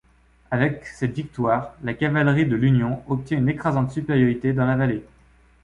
Avec cette victoire, la cavalerie de l'Union obtient une écrasante supériorité dans la vallée.